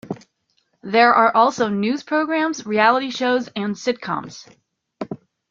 There are also news programs, reality shows, and sitcoms.